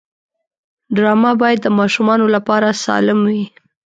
ډرامه باید د ماشومانو لپاره سالم وي